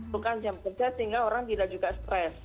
bukan jam kerja sehingga orang tidak juga stres